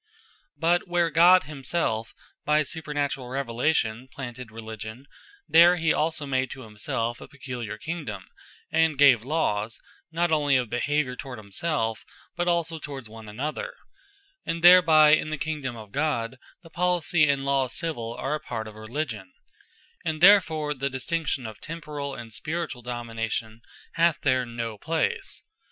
The True Religion, And The Lawes Of Gods Kingdome The Same But where God himselfe, by supernaturall Revelation, planted Religion; there he also made to himselfe a peculiar Kingdome; and gave Lawes, not only of behaviour towards himselfe; but also towards one another; and thereby in the Kingdome of God, the Policy, and lawes Civill, are a part of Religion; and therefore the distinction of Temporall, and Spirituall Domination, hath there no place.